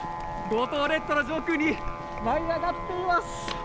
五島列島の上空に舞い上がっています。